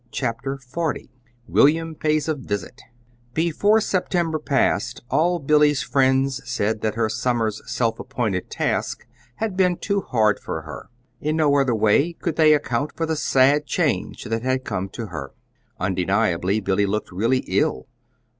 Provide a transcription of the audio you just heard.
CHAPTER XL WILLIAM PAYS A VISIT Before September passed all Billy's friends said that her summer's self appointed task had been too hard for her. In no other way could they account for the sad change that had come to her. Undeniably Billy looked really ill.